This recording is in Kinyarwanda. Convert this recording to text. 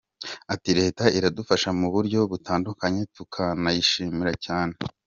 Ati “Leta iradufasha mu buryo butandukanye tukanayishimira cyane.